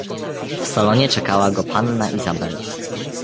"W salonie czekała go panna Izabela."